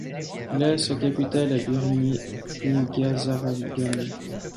Il a sa capitale à Birni Ngazargamo.